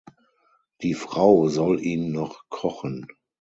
Die Frau soll ihn noch kochen.